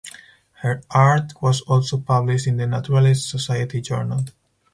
Her art was also published in the Naturalist Society journal.